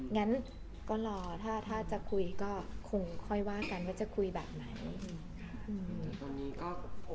งั้นถ้าจะคุยคุยก็คงค่อยว่ากันควรจะคุยแบบไหน